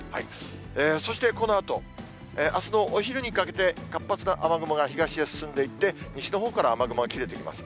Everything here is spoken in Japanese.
そして、このあとあすのお昼にかけて、活発な雨雲が東へ進んでいって、西のほうから雨雲が切れてきます。